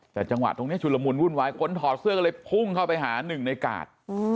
แต่จังหวะตรงนี้ชุลมุนวุ่นวายคนถอดเสื้อก็เลยพุ่งเข้าไปหาหนึ่งในกาด